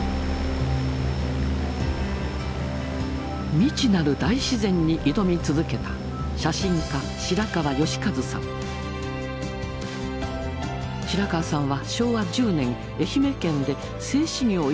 未知なる大自然に挑み続けた白川さんは昭和１０年愛媛県で製紙業を営む家に生まれました。